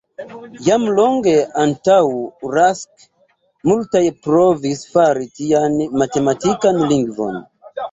Jam longe antaŭ Rask multaj provis fari tian matematikan lingvon.